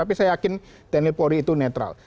tapi saya yakin tni polri itu netral